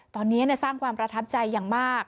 ตอนนี้สร้างความประทับใจอย่างมาก